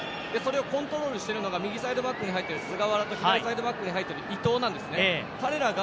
それをコントロールしている右サイドバックの菅原と左サイドバックに入っている伊藤なんですね。